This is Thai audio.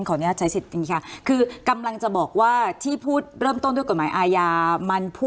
ขออนุญาตใช้สิทธิ์ดังนี้ค่ะคือกำลังจะบอกว่าที่พูดเริ่มต้น